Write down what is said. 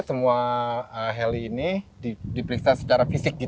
semua heli ini diperiksa secara fisik gitu ya